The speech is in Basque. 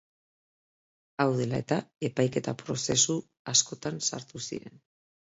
Hau dela-eta, epaiketa-prozesu askotan sartu ziren.